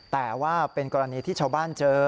แต่ว่าเป็นกรณีที่ชาวบ้านเจอ